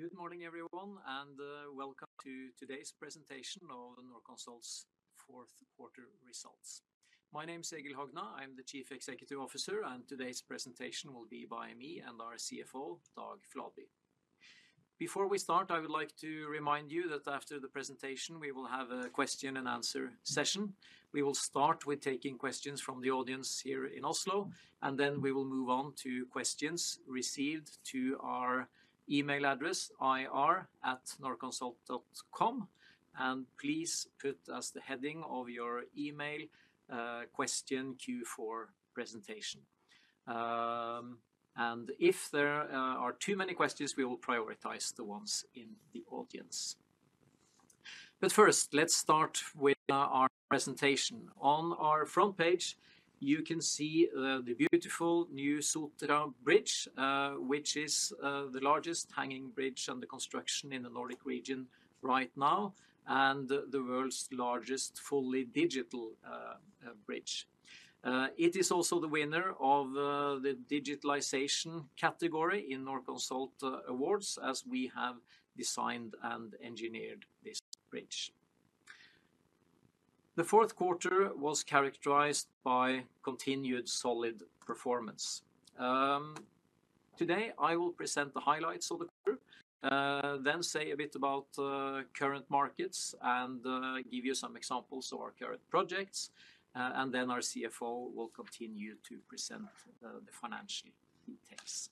Good morning, everyone, and welcome to today's presentation of Norconsult's fourth quarter results. My name is Egil Hogna. I'm the Chief Executive Officer, and today's presentation will be by me and our CFO, Dag Fladby. Before we start, I would like to remind you that after the presentation, we will have a question and answer session. We will start with taking questions from the audience here in Oslo, and then we will move on to questions received to our email address, ir@norconsult.com. And please put as the heading of your email, question Q4 presentation. And if there are too many questions, we will prioritize the ones in the audience. But first, let's start with our presentation. On our front page, you can see the beautiful new Sotra Bridge, which is the largest hanging bridge under construction in the Nordic region right now, and the world's largest fully digital bridge. It is also the winner of the digitalization category in Norconsult Awards, as we have designed and engineered this bridge. The fourth quarter was characterized by continued solid performance. Today, I will present the highlights of the group, then say a bit about current markets and give you some examples of our current projects, and then our CFO will continue to present the financial details.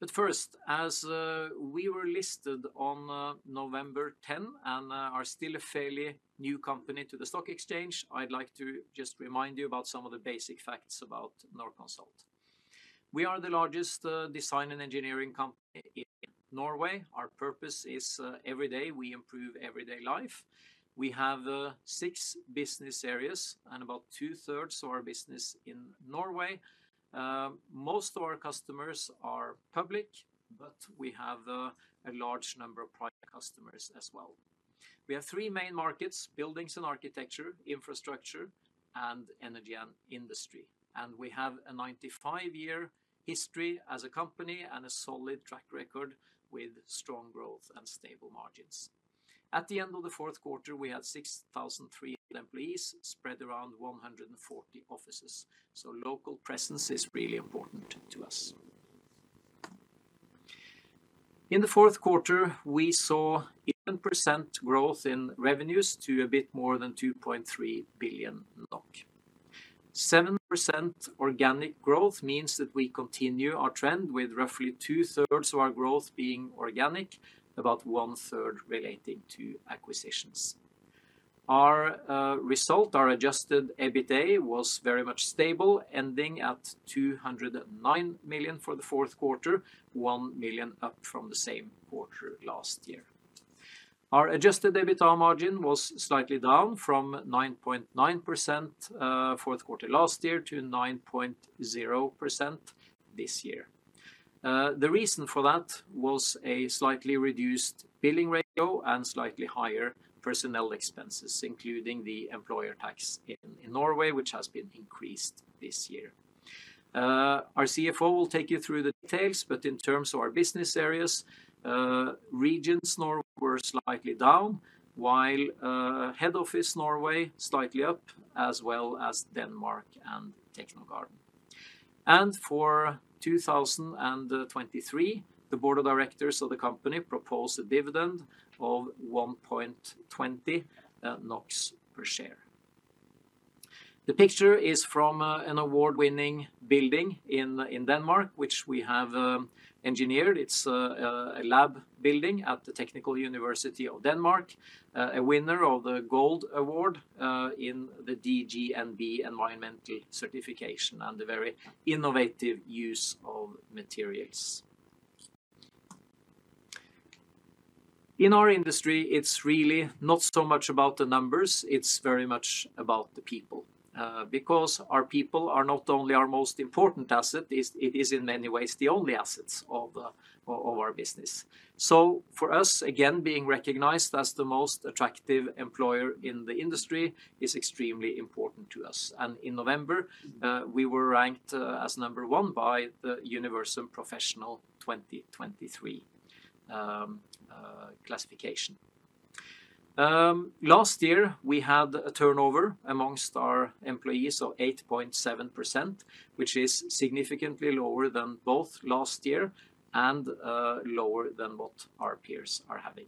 But first, as we were listed on November 10, and are still a fairly new company to the stock exchange, I'd like to just remind you about some of the basic facts about Norconsult. We are the largest design and engineering company in Norway. Our purpose is every day, we improve everyday life. We have six business areas, and about two-thirds of our business in Norway. Most of our customers are public, but we have a large number of private customers as well. We have three main markets: buildings and architecture, infrastructure, and energy and industry. And we have a 95-year history as a company and a solid track record with strong growth and stable margins. At the end of the fourth quarter, we had 6,003 employees, spread around 140 offices, so local presence is really important to us. In the fourth quarter, we saw 11% growth in revenues to a bit more than 2.3 billion NOK. 7% organic growth means that we continue our trend with roughly two-thirds of our growth being organic, about one-third relating to acquisitions. Our result, our adjusted EBITA, was very much stable, ending at 209 million for the fourth quarter, 1 million up from the same quarter last year. Our adjusted EBITDA margin was slightly down from 9.9%, fourth quarter last year, to 9.0% this year. The reason for that was a slightly reduced billing ratio and slightly higher personnel expenses, including the employer tax in Norway, which has been increased this year. Our CFO will take you through the details, but in terms of our business areas, regions, Norway were slightly down, while Head Office Norway, slightly up, as well as Denmark and Technogarden. For 2023, the board of directors of the company proposed a dividend of 1.20 NOK per share. The picture is from an award-winning building in Denmark, which we have engineered. It's a lab building at the Technical University of Denmark, a winner of the Gold Award in the DGNB environmental certification and a very innovative use of materials. In our industry, it's really not so much about the numbers, it's very much about the people. Because our people are not only our most important asset, it is in many ways the only assets of our business. So for us, again, being recognized as the most attractive employer in the industry is extremely important to us, and in November, we were ranked as number one by the Universum Professional 2023 classification. Last year, we had a turnover amongst our employees of 8.7%, which is significantly lower than both last year and lower than what our peers are having.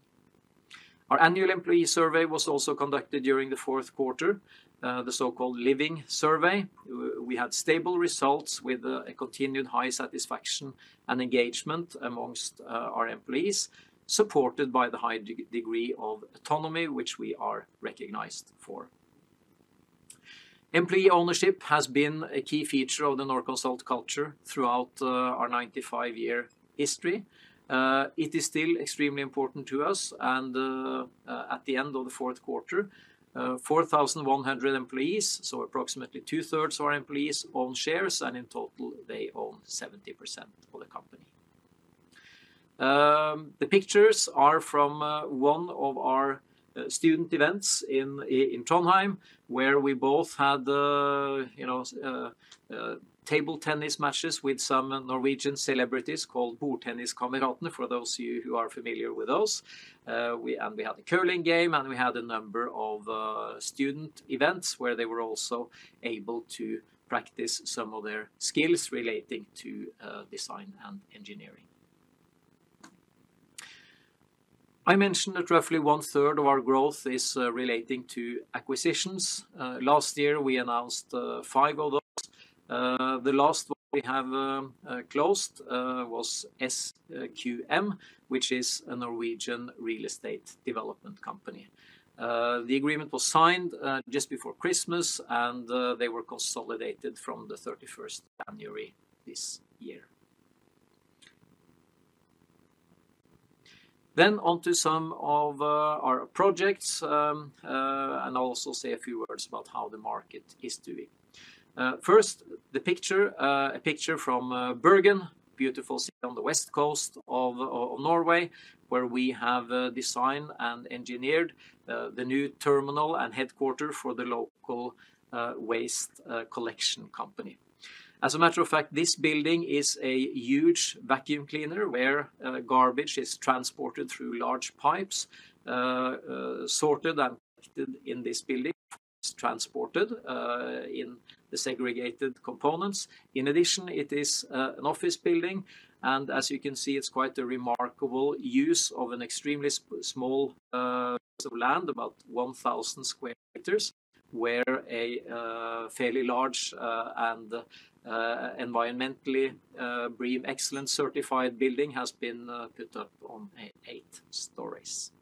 Our annual employee survey was also conducted during the fourth quarter, the so-called LiVE survey. We had stable results with a continued high satisfaction and engagement amongst our employees, supported by the high degree of autonomy, which we are recognized for. Employee ownership has been a key feature of the Norconsult culture throughout our 95-year history. It is still extremely important to us, and at the end of the fourth quarter, 4,100 employees, so approximately two-thirds of our employees, own shares, and in total, they own 70% of the company. The pictures are from one of our student events in Trondheim, where we both had the, you know, table tennis matches with some Norwegian celebrities called Bordtenniskameratene, for those of you who are familiar with those. We had a curling game, and we had a number of student events, where they were also able to practice some of their skills relating to design and engineering. I mentioned that roughly one third of our growth is relating to acquisitions. Last year, we announced 5 of those. The last one we have closed was SQM, which is a Norwegian real estate development company. The agreement was signed just before Christmas, and they were consolidated from the thirty-first January this year. Then onto some of our projects. And I'll also say a few words about how the market is doing. First, the picture, a picture from Bergen, beautiful city on the west coast of Norway, where we have designed and engineered the new terminal and headquarters for the local waste collection company. As a matter of fact, this building is a huge vacuum cleaner, where garbage is transported through large pipes, sorted and in this building, it's transported in the segregated components. In addition, it is an office building, and as you can see, it's quite a remarkable use of an extremely small piece of land, about 1,000 square meters, where a fairly large and environmentally BREEAM Excellent certified building has been put up on eight stories.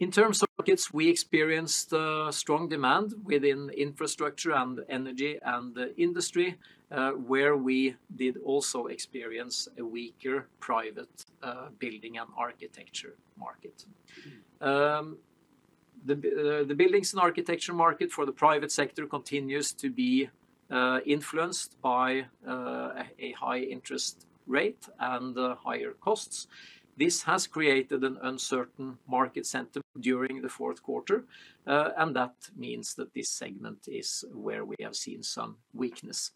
In terms of markets, we experienced strong demand within infrastructure and energy, and the industry, where we did also experience a weaker private building and architecture market. The buildings and architecture market for the private sector continues to be influenced by a high interest rate and higher costs. This has created an uncertain market center during the fourth quarter, and that means that this segment is where we have seen some weakness.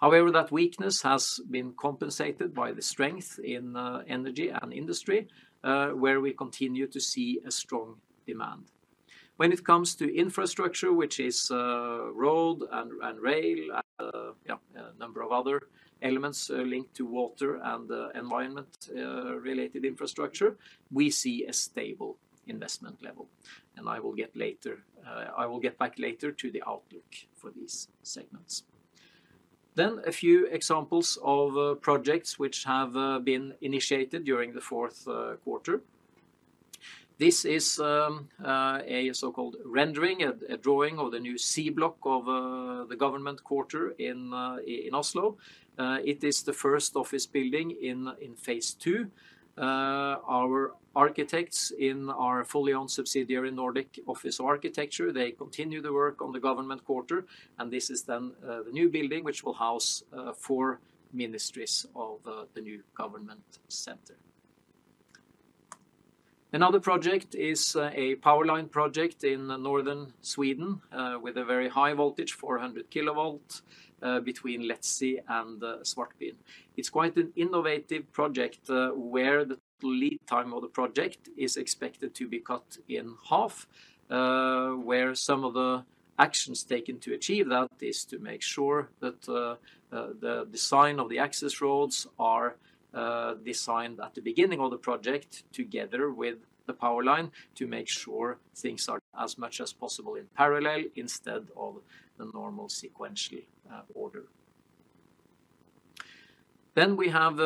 However, that weakness has been compensated by the strength in energy and industry, where we continue to see a strong demand. When it comes to infrastructure, which is road and rail, yeah, a number of other elements linked to water and environment related infrastructure, we see a stable investment level, and I will get later—I will get back later to the outlook for these segments. Then a few examples of projects which have been initiated during the fourth quarter. This is a so-called rendering, a drawing of the new C block of the government quarter in Oslo. It is the first office building in phase two. Our architects in our fully owned subsidiary, Nordic Office of Architecture, they continue to work on the government quarter, and this is then the new building, which will house four ministries of the new government center. Another project is a powerline project in northern Sweden with a very high voltage, 400 kV, between Letsi and Svartbyn. It's quite an innovative project where the lead time of the project is expected to be cut in half. Where some of the actions taken to achieve that is to make sure that the design of the access roads are designed at the beginning of the project, together with the power line, to make sure things are as much as possible in parallel instead of the normal sequential order. Then we have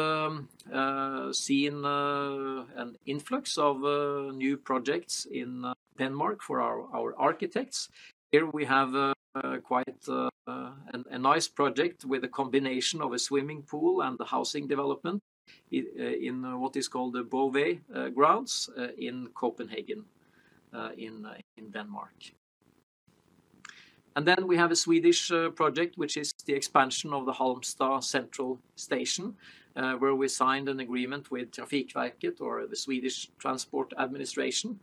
seen an influx of new projects in Denmark for our architects. Here we have quite a nice project with a combination of a swimming pool and the housing development in what is called the Beauvais Grounds in Copenhagen in Denmark. And then we have a Swedish project, which is the expansion of the Halmstad Central Station, where we signed an agreement with Trafikverket or the Swedish Transport Administration.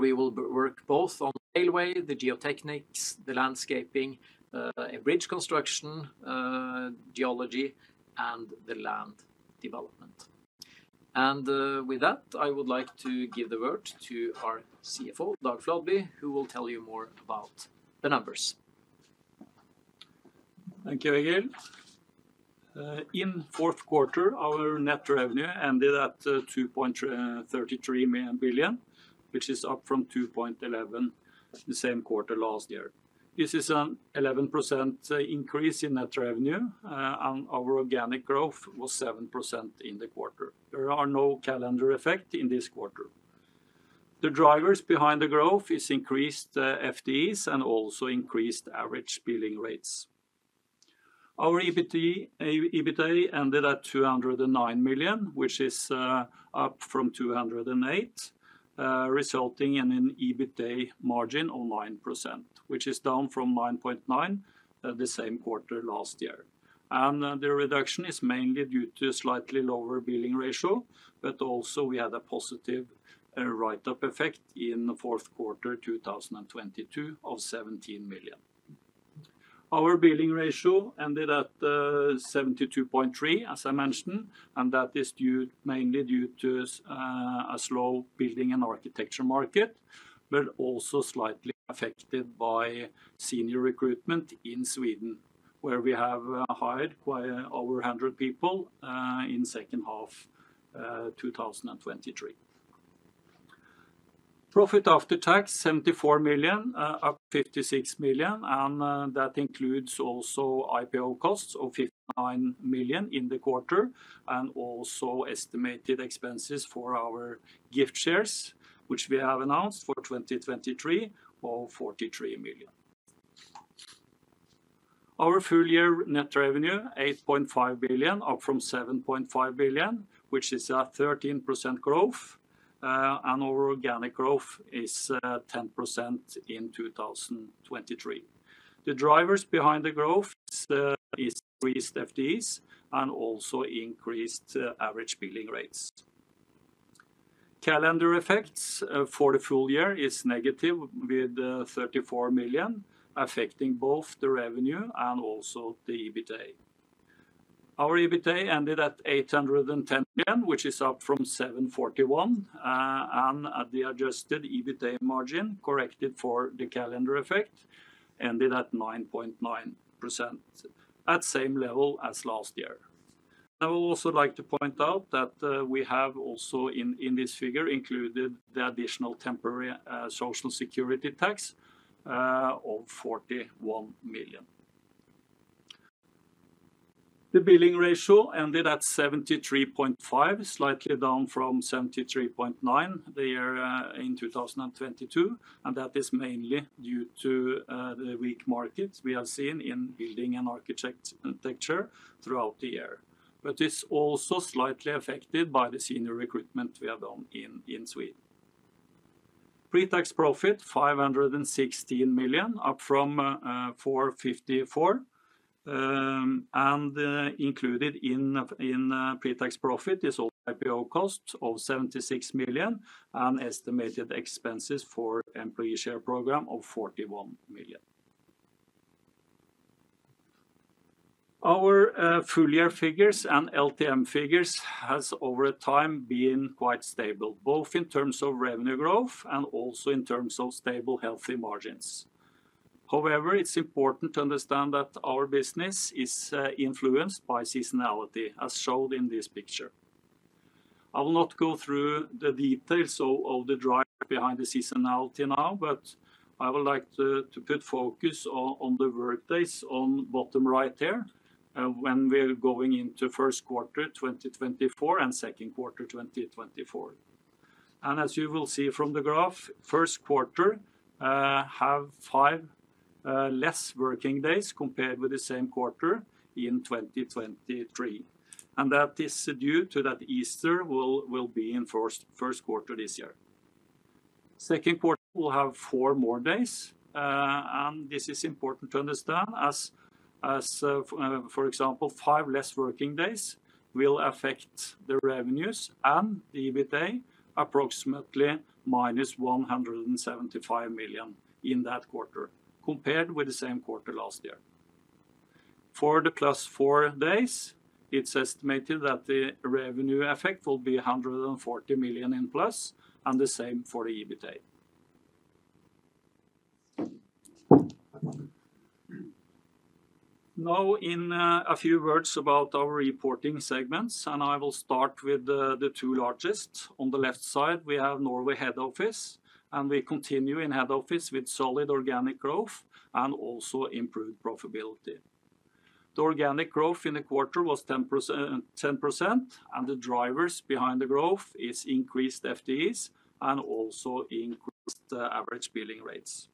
We will work both on railway, the geotechnics, the landscaping, bridge construction, geology, and the land development. And with that, I would like to give the word to our CFO, Dag Fladby, who will tell you more about the numbers. Thank you, Egil. In fourth quarter, our net revenue ended at 2.33 billion, which is up from 2.11 billion the same quarter last year. This is an 11% increase in net revenue, and our organic growth was 7% in the quarter. There are no calendar effect in this quarter. The drivers behind the growth is increased FTEs and also increased average billing rates. Our EBITA, EBITDA ended at 209 million, which is up from 208 million, resulting in an EBITA margin of 9%, which is down from 9.9% the same quarter last year. The reduction is mainly due to slightly lower billing ratio, but also we had a positive write-up effect in the fourth quarter, 2022 of 17 million. Our billing ratio ended at 72.3%, as I mentioned, and that is mainly due to a slow building and architecture market, but also slightly affected by senior recruitment in Sweden, where we have hired quite over 100 people in second half, 2023. Profit after tax, 74 million, up 56 million, and that includes also IPO costs of 59 million in the quarter, and also estimated expenses for our gift shares, which we have announced for 2023 of 43 million. Our full year net revenue, 8.5 billion, up from 7.5 billion, which is a 13% growth, and our organic growth is 10% in 2023. The drivers behind the growth is increased FTEs and also increased average billing rates. Calendar effects for the full year is negative, with 34 million affecting both the revenue and also the EBITDA. Our EBITDA ended at 810 million, which is up from 741 million, and at the adjusted EBITDA margin, corrected for the calendar effect, ended at 9.9%. At same level as last year. I would also like to point out that we have also in this figure included the additional temporary social security tax of 41 million. The billing ratio ended at 73.5, slightly down from 73.9 the year in 2022, and that is mainly due to the weak markets we have seen in building and architecture throughout the year. But it's also slightly affected by the senior recruitment we have done in Sweden. Pre-tax profit, 516 million, up from 454 million. Included in pre-tax profit is all IPO costs of 76 million, and estimated expenses for employee share program of 41 million. Our full year figures and LTM figures has, over time, been quite stable, both in terms of revenue growth and also in terms of stable, healthy margins. However, it's important to understand that our business is influenced by seasonality, as shown in this picture. I will not go through the details of the drivers behind the seasonality now, but I would like to put focus on the workdays on bottom right there when we're going into first quarter 2024, and second quarter 2024. And as you will see from the graph, first quarter have five less working days compared with the same quarter in 2023, and that is due to that Easter will be in first quarter this year. Second quarter, we'll have four more days, and this is important to understand as, for example, five less working days will affect the revenues and the EBITDA, approximately -175 million in that quarter, compared with the same quarter last year. For the plus four days, it's estimated that the revenue effect will be +140 million, and the same for the EBITDA. Now, in a few words about our reporting segments, and I will start with the two largest. On the left side, we have Norway Head Office, and we continue in Head Office with solid organic growth and also improved profitability. The organic growth in the quarter was 10%, 10%, and the drivers behind the growth is increased FTEs and also increased average billing rates.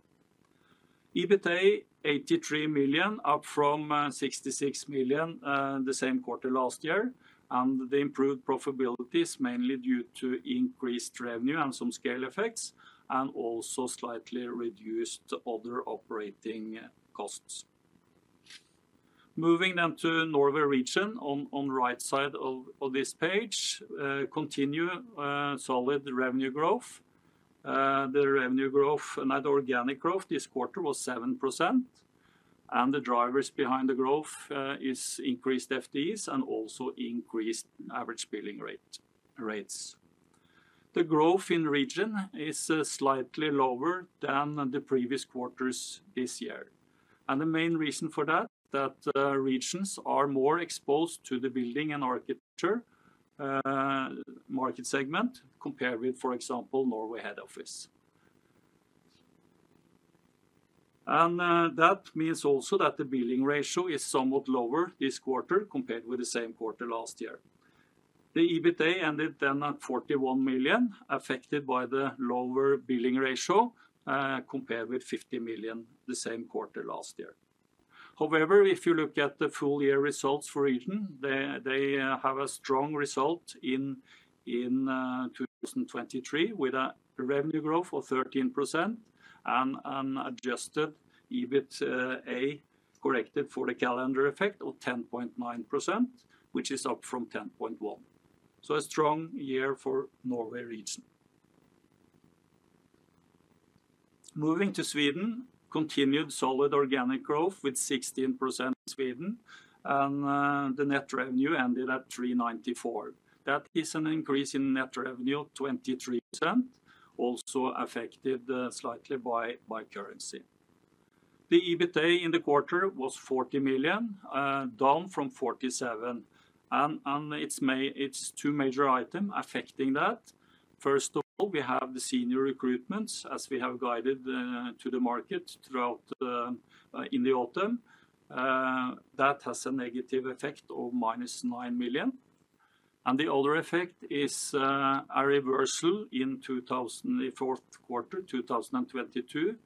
EBITDA, 83 million, up from 66 million the same quarter last year, and the improved profitability is mainly due to increased revenue and some scale effects, and also slightly reduced other operating costs. Moving down to Norway Region, on the right side of this page, continue solid revenue growth. The revenue growth and organic growth this quarter was 7%, and the drivers behind the growth is increased FTEs and also increased average billing rate, rates. The growth in region is slightly lower than the previous quarters this year. The main reason for that is that regions are more exposed to the building and architecture market segment, compared with, for example, Norway Head Office. That means also that the billing ratio is somewhat lower this quarter, compared with the same quarter last year. The EBITDA ended then at 41 million, affected by the lower billing ratio, compared with 50 million the same quarter last year. However, if you look at the full year results for Region, they have a strong result in 2023, with a revenue growth of 13% and an adjusted EBITA, corrected for the calendar effect of 10.9%, which is up from 10.1%. A strong year for Norway region. Moving to Sweden, continued solid organic growth with 16% Sweden, and the net revenue ended at 394 million. That is an increase in net revenue of 23%, also affected slightly by currency. The EBITA in the quarter was 40 million, down from 47 million, and it's two major item affecting that. First of all, we have the senior recruitments, as we have guided to the market throughout the autumn. That has a negative effect of -9 million. And the other effect is a reversal in fourth quarter 2022,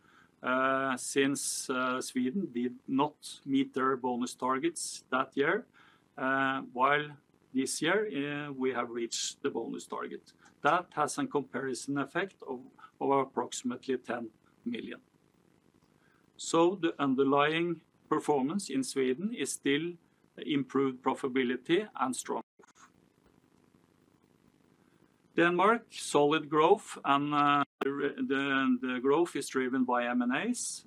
since Sweden did not meet their bonus targets that year, while this year we have reached the bonus target. That has a comparison effect of approximately 10 million. So the underlying performance in Sweden is still improved profitability and strong. Denmark, solid growth and, the growth is driven by M&As,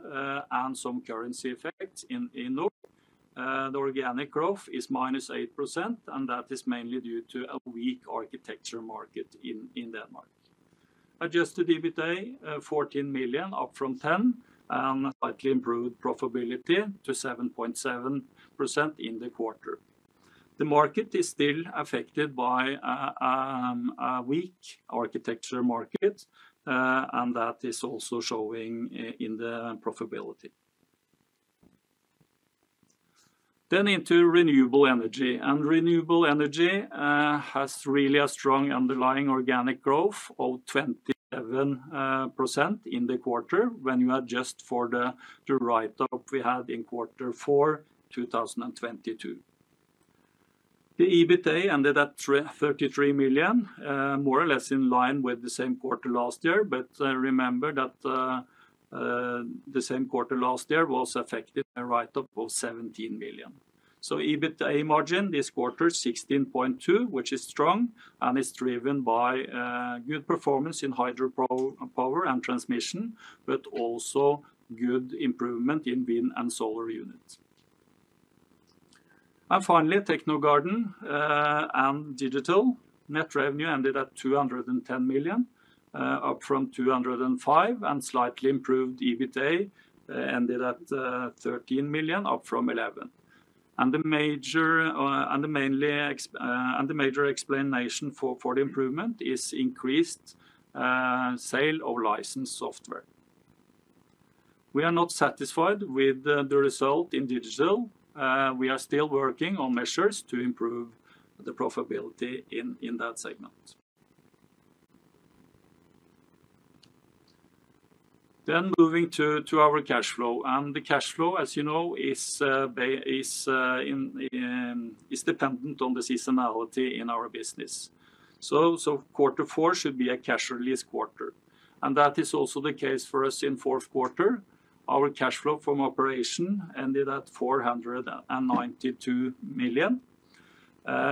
and some currency effect in Europe. The organic growth is -8%, and that is mainly due to a weak architecture market in Denmark. Adjusted EBITA, 14 million, up from 10 million, and slightly improved profitability to 7.7% in the quarter. The market is still affected by a weak architecture market, and that is also showing in the profitability. Then into renewable energy. And renewable energy has really a strong underlying organic growth of 27% in the quarter when you adjust for the write-up we had in quarter four, 2022. The EBITA ended at 33 million, more or less in line with the same quarter last year. But remember that the same quarter last year was affected by a write-up of 17 million. So EBITA margin this quarter, 16.2%, which is strong, and it's driven by good performance in hydro power and transmission, but also good improvement in wind and solar units. And finally, Technogarden and Digital. Net revenue ended at 210 million, up from 205 million, and slightly improved EBITA ended at 13 million, up from 11 million. And the major explanation for the improvement is increased sale of licensed software. We are not satisfied with the result in digital. We are still working on measures to improve the profitability in that segment. Then moving to our cash flow, and the cash flow, as you know, is dependent on the seasonality in our business. So quarter four should be a cash release quarter, and that is also the case for us in fourth quarter. Our cash flow from operation ended at 492 million,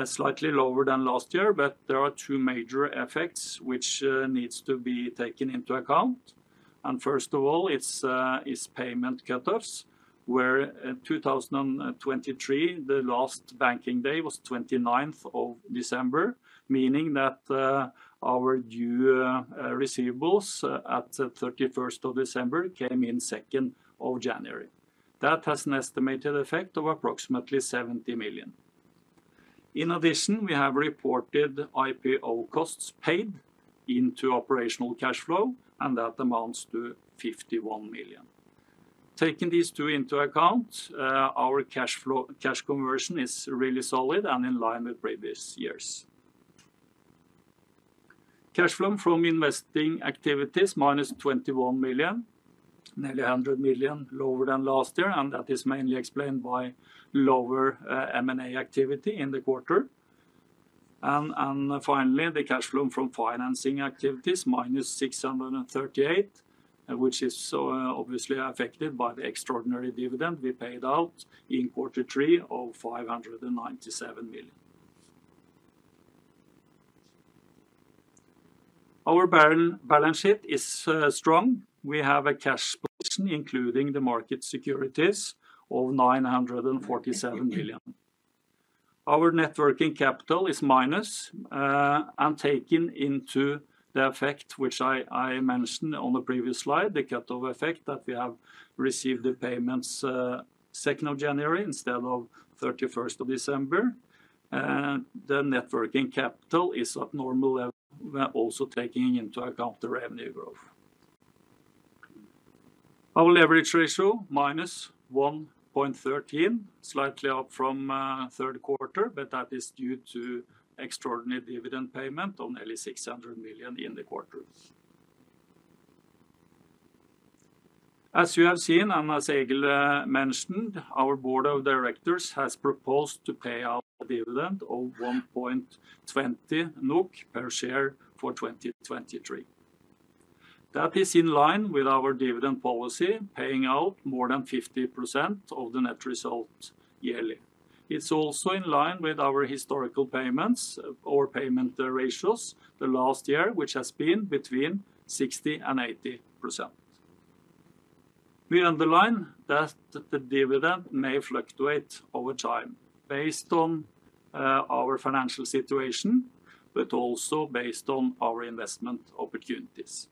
slightly lower than last year, but there are two major effects which needs to be taken into account. And first of all, it's payment cutoffs, where in 2023, the last banking day was 29 of December, meaning that our due receivables at the 31 of December came in 2 of January. That has an estimated effect of approximately 70 million. In addition, we have reported IPO costs paid into operational cash flow, and that amounts to 51 million. Taking these two into account, our cash conversion is really solid and in line with previous years. Cash flow from investing activities, -21 million, nearly 100 million lower than last year, and that is mainly explained by lower M&A activity in the quarter. Finally, the cash flow from financing activities, -638 million, which is so obviously affected by the extraordinary dividend we paid out in quarter three of 597 million. Our balance sheet is strong. We have a cash position, including the market securities, of 947 million. Our net working capital is minus, and taken into the effect, which I mentioned on the previous slide, the cut-off effect, that we have received the payments, second of January instead of 31 of December. The net working capital is at normal level, also taking into account the revenue growth. Our leverage ratio, -1.13, slightly up from third quarter, but that is due to extraordinary dividend payment of nearly 600 million in the quarter. As you have seen, and as Egil mentioned, our board of directors has proposed to pay out a dividend of 1.20 NOK per share for 2023. That is in line with our dividend policy, paying out more than 50% of the net result yearly. It's also in line with our historical payments, or payment, ratios the last year, which has been between 60% and 80%. We underline that the dividend may fluctuate over time, based on our financial situation, but also based on our investment opportunities.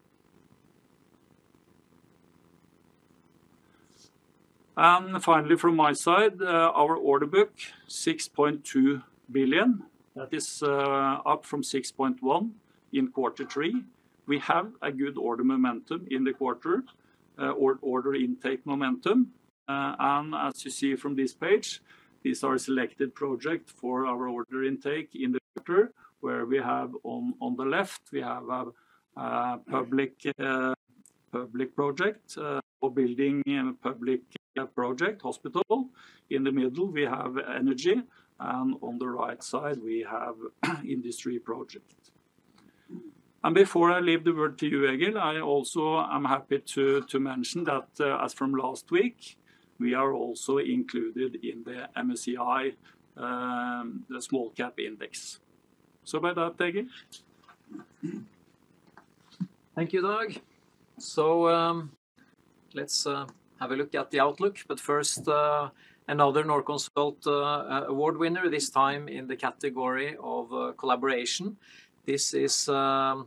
Finally, from my side, our order book, 6.2 billion, that is, up from 6.1 billion in quarter three. We have a good order momentum in the quarter, or order intake momentum. As you see from this page, these are selected project for our order intake in the quarter, where we have on the left, we have a public project, or building a public project hospital. In the middle, we have energy, and on the right side, we have industry project. Before I leave the word to you, Egil, I also am happy to mention that, as from last week, we are also included in the MSCI Small Cap Index. So with that, Egil? Thank you, Dag. So, let's have a look at the outlook, but first, another Norconsult award winner, this time in the category of collaboration. This is a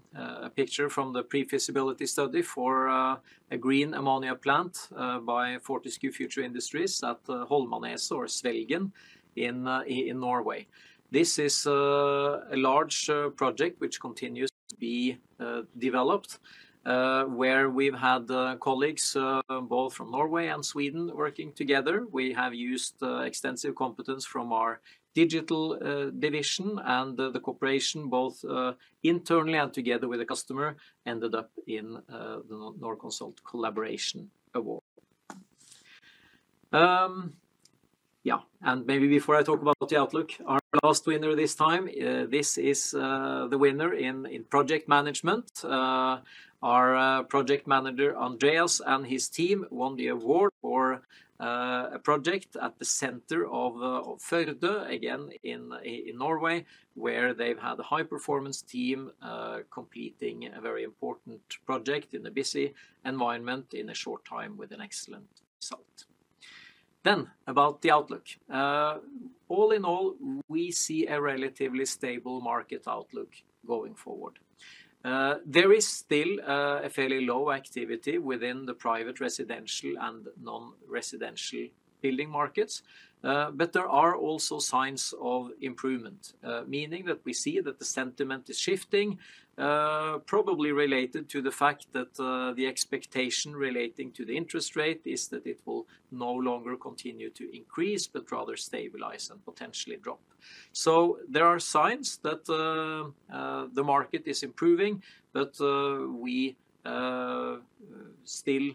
picture from the pre-feasibility study for a green ammonia plant by Fortescue Future Industries at Holmaneset or Svelgen in Norway. This is a large project, which continues to be developed, where we've had colleagues both from Norway and Sweden working together. We have used extensive competence from our digital division, and the cooperation, both internally and together with the customer, ended up in the Norconsult Collaboration Award. And maybe before I talk about the outlook, our last winner this time, this is the winner in project management. Our project manager, Andreas, and his team won the award for a project at the center of Førde, again, in Norway, where they've had a high-performance team completing a very important project in a busy environment in a short time with an excellent result. Then, about the outlook. All in all, we see a relatively stable market outlook going forward. There is still a fairly low activity within the private residential and non-residential building markets, but there are also signs of improvement, meaning that we see that the sentiment is shifting, probably related to the fact that the expectation relating to the interest rate is that it will no longer continue to increase, but rather stabilize and potentially drop. So there are signs that the market is improving, but we still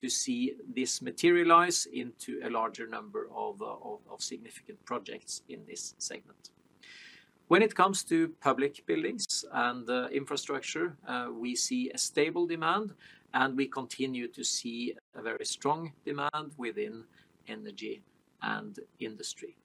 to see this materialize into a larger number of significant projects in this segment. When it comes to public buildings and infrastructure, we see a stable demand, and we continue to see a very strong demand within energy and industry.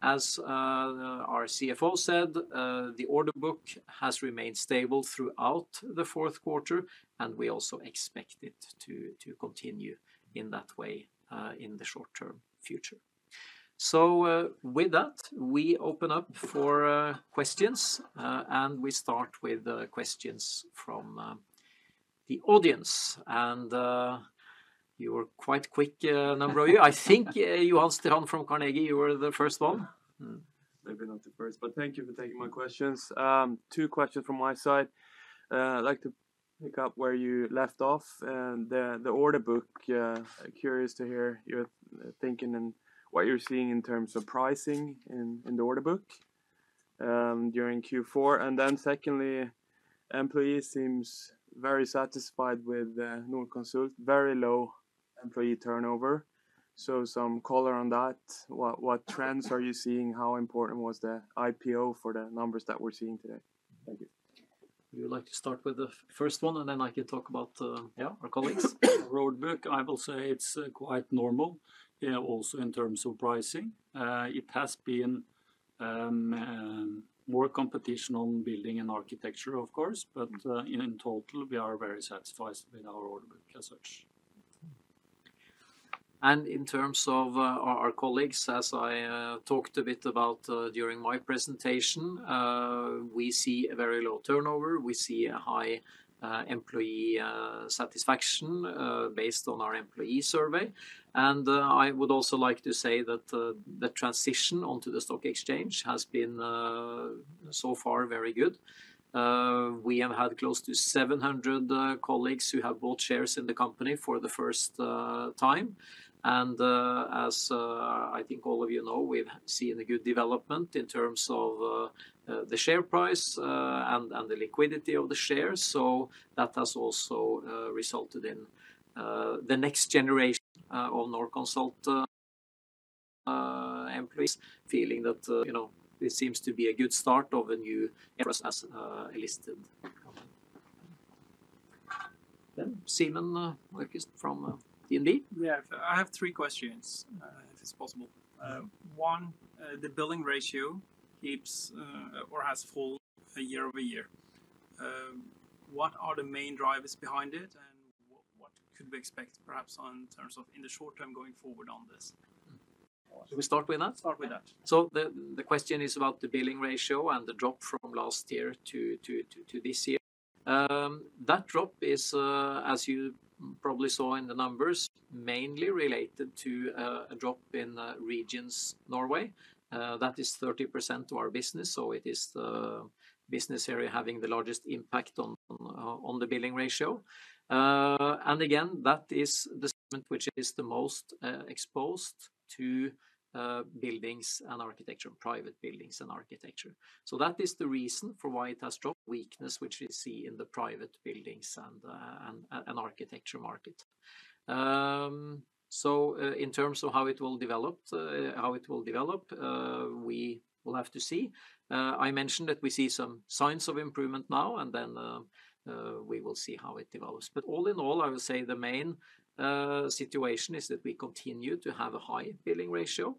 As our CFO said, the order book has remained stable throughout the fourth quarter, and we also expect it to continue in that way in the short-term future. So with that, we open up for questions, and we start with questions from the audience. And you were quite quick, a number of you. I think Johan Strom from Carnegie, you were the first one. Maybe not the first, but thank you for taking my questions. Two questions from my side. I'd like to pick up where you left off, the order book. Curious to hear your thinking and what you're seeing in terms of pricing in the order book during Q4. And then secondly, employees seems very satisfied with Norconsult. Very low employee turnover, so some color on that. What trends are you seeing? How important was the IPO for the numbers that we're seeing today? Thank you. Would you like to start with the first one, and then I can talk about? Yeah... our colleagues? Order book, I will say it's quite normal also in terms of pricing. It has been more competition on building and architecture, of course, but in total, we are very satisfied with our order book as such. In terms of our colleagues, as I talked a bit about during my presentation, we see a very low turnover. We see a high employee satisfaction based on our employee survey. I would also like to say that the transition onto the stock exchange has been so far very good. We have had close to 700 colleagues who have bought shares in the company for the first time, and as I think all of you know, we've seen a good development in terms of the share price and the liquidity of the shares. So that has also resulted in the next generation of Norconsult employees feeling that, you know, this seems to be a good start of a new era as a listed company. Then Simen from DNB. Yeah. I have three questions, if it's possible. One, the billing ratio keeps, or has fallen year-over-year. What are the main drivers behind it, and what could we expect, perhaps, on terms of in the short term going forward on this? Mm. Should we start with that? Start with that. So the question is about the billing ratio and the drop from last year to this year. That drop is, as you probably saw in the numbers, mainly related to a drop in regions Norway. That is 30% of our business, so it is the business area having the largest impact on the billing ratio. And again, that is the segment which is the most exposed to buildings and architecture, private buildings and architecture. So that is the reason for why it has dropped: weakness, which we see in the private buildings and architecture market. In terms of how it will develop, we will have to see. I mentioned that we see some signs of improvement now, and then, we will see how it develops. But all in all, I would say the main situation is that we continue to have a high billing ratio,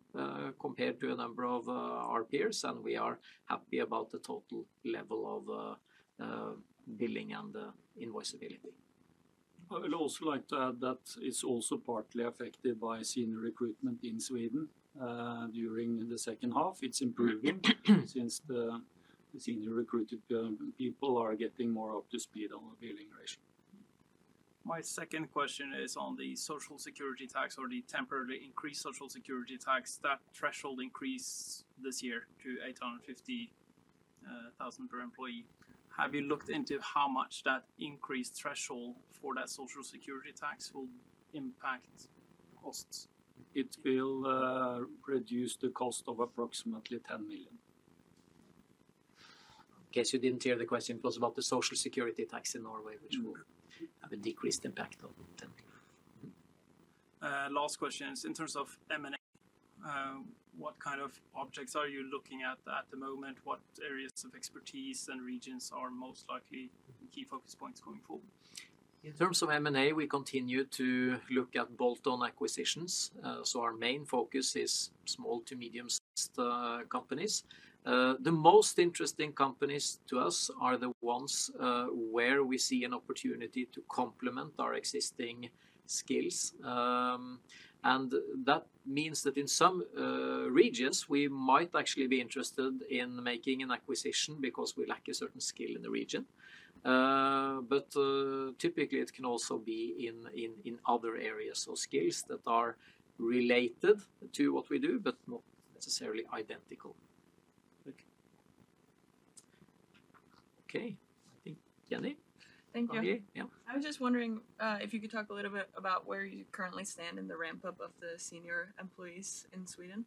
compared to a number of our peers, and we are happy about the total level of billing and invoice ability. I would also like to add that it's also partly affected by senior recruitment in Sweden. During the second half, it's improving, since the senior-recruited people are getting more up to speed on the billing ratio. My second question is on the Social Security Tax, or the temporarily increased Social Security Tax. That threshold increased this year to 850,000 per employee. Have you looked into how much that increased threshold for that Social Security Tax will impact costs? It will reduce the cost of approximately 10 million. In case you didn't hear, the question was about the Social Security Tax in Norway which will have a decreased impact of NOK 10 million. Last question is, in terms of M&A, what kind of objects are you looking at at the moment? What areas of expertise and regions are most likely key focus points going forward? In terms of M&A, we continue to look at bolt-on acquisitions. Our main focus is small to medium-sized companies. The most interesting companies to us are the ones where we see an opportunity to complement our existing skills. That means that in some regions, we might actually be interested in making an acquisition because we lack a certain skill in the region. Typically, it can also be in other areas or skills that are related to what we do, but not necessarily identical. Thank you. Okay. I think Jenny? Thank you. Yeah. I was just wondering, if you could talk a little bit about where you currently stand in the ramp-up of the senior employees in Sweden?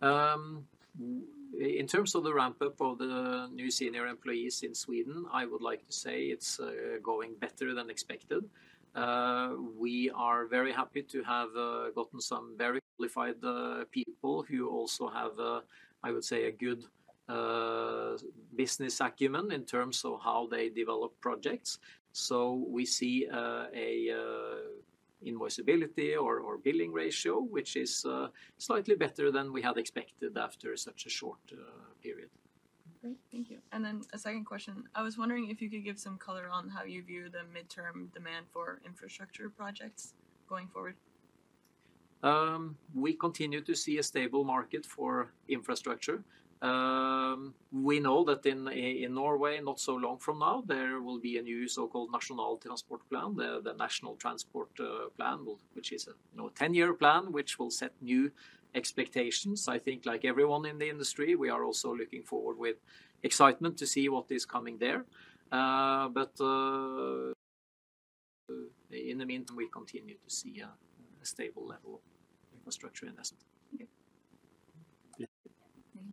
In terms of the ramp-up of the new senior employees in Sweden, I would like to say it's going better than expected. We are very happy to have gotten some very qualified people who also have, I would say, a good business acumen in terms of how they develop projects. So we see a invoice ability or billing ratio, which is slightly better than we had expected after such a short period. Great, thank you. And then a second question. I was wondering if you could give some color on how you view the midterm demand for infrastructure projects going forward. We continue to see a stable market for infrastructure. We know that in Norway, not so long from now, there will be a new so-called National Transport Plan. The National Transport Plan, which is a, you know, 10-year plan, which will set new expectations. I think, like everyone in the industry, we are also looking forward with excitement to see what is coming there. But, in the meantime, we continue to see a stable level of infrastructure investment. Thank you. Yeah.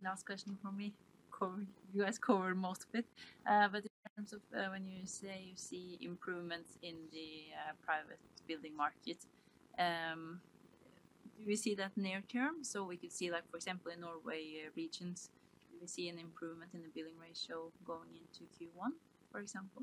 Last question from me. You guys covered most of it, but in terms of when you say you see improvements in the private building market, do you see that near term? So we could see like, for example, in Norway regions, we see an improvement in the billing ratio going into Q1, for example.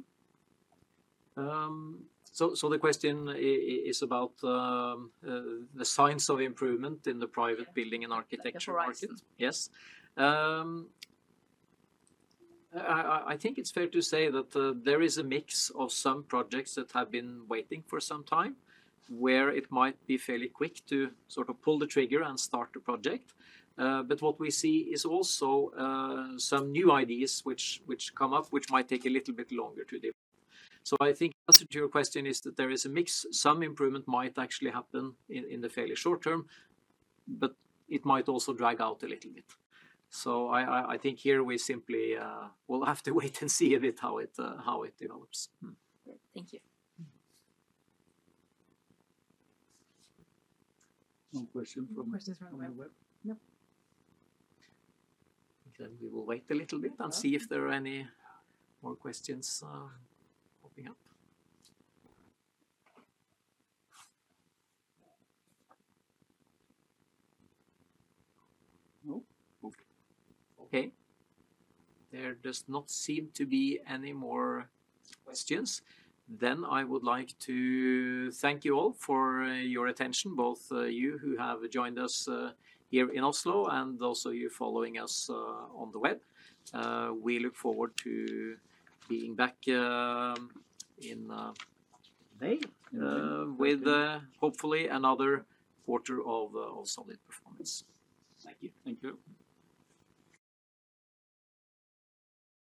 So the question is about the signs of improvement in the private building and architecture market? The horizon. Yes. I think it's fair to say that there is a mix of some projects that have been waiting for some time, where it might be fairly quick to sort of pull the trigger and start the project. But what we see is also some new ideas which come up, which might take a little bit longer to deliver. So I think the answer to your question is that there is a mix. Some improvement might actually happen in the fairly short term, but it might also drag out a little bit. So I think here we simply will have to wait and see a bit how it develops. Great, thank you. Okay, we will wait a little bit and see if there are any more questions, popping up. No? Okay. Okay. There does not seem to be any more questions. Then I would like to thank you all for your attention, both you who have joined us here in Oslo, and also you following us on the web. We look forward to being back in May with, hopefully another quarter of solid performance. Thank you. Thank you.